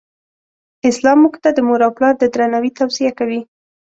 اسلام مونږ ته د مور او پلار د درناوې توصیه کوی.